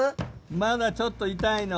まだちょっと痛いの。